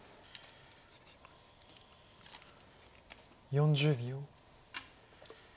４０秒。